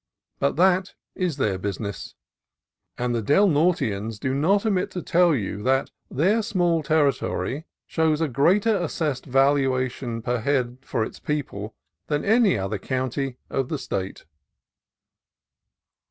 But that is their own business; and the Del Norteans do not omit to tell you that their small territory shows a greater assessed valua tion per head for its people than any other county of the State.